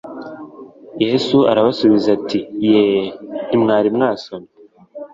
Yesu arabasubiza ati : Yee, Ntimwari mwasoma